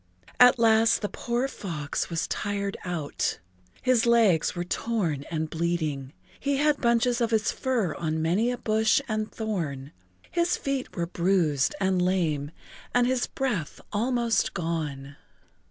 At last the poor fox was tired out. His legs were torn and bleeding, he had left bunches of his fur on many a bush and thorn, his feet were bruised and lame and his breath almost gone.